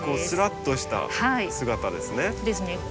スラッとした姿ですね。